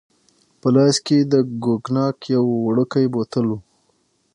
په لاس کې يې د کوګناک یو وړوکی بوتل وو.